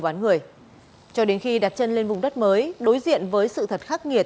bán người cho đến khi đặt chân lên vùng đất mới đối diện với sự thật khắc nghiệt